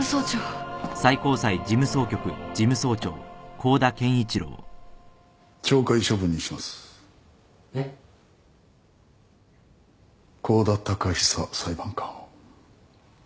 香田隆久裁判官を。